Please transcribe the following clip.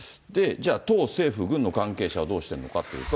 じゃあ、党、政府、軍の関係者はどうしてるのかというと。